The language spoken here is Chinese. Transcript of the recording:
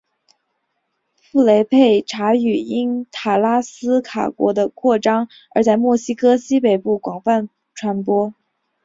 普雷佩查语因塔拉斯卡国的扩张而在墨西哥西北部广泛传播。